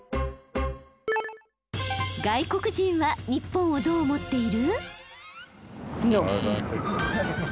外国人は日本をどう思っている？